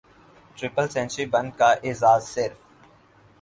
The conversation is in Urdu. ٹرپل سنچری بن کا اعزاز صرف